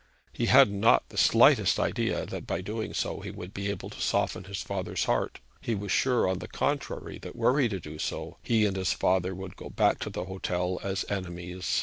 He had not the slightest idea that by doing so he would be able to soften his father's heart. He was sure, on the contrary, that were he to do so, he and his father would go back to the hotel as enemies.